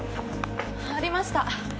ありました。